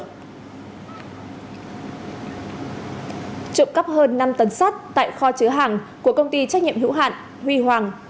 trộm cắp hơn năm tấn sắt tại kho chứa hàng của công ty trách nhiệm hữu hạn huy hoàng